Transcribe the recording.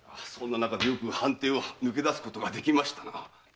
そんな中でよく藩邸を抜け出すことができましたな。